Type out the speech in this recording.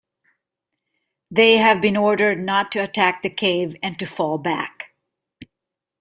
They have been ordered not to attack the cave and to fall back.